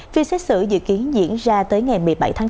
phiên xét xử dự kiến diễn ra tới ngày một mươi bảy tháng bốn